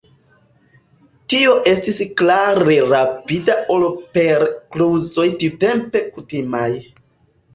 Tio estis klare rapida ol per kluzoj tiutempe kutimaj.